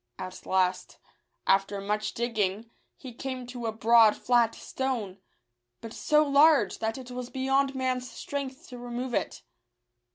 At last, after much digging, he came to a broad, flat stone, but so large, that it was beyond man's strength to remove it.